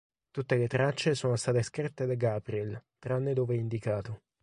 Tutte le tracce sono state scritte da Gabriel tranne dove è indicato.